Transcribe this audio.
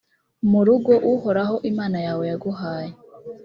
mu rugo uhoraho imana yawe yaguhaye;